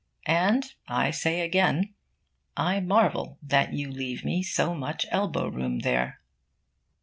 And, I say again, I marvel that you leave me so much elbow room there.